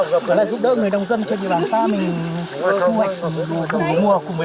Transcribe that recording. và lại giúp đỡ người đồng dân trên địa bàn xác mình thu hoạch mùa cùng với cả thu hoạch công xác